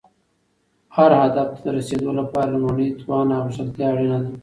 هر هدف ته رسیدو لپاره لومړی توان او غښتلتیا اړینه ده.